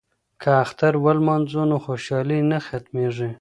که اختر ولمانځو نو خوشحالي نه ختمیږي.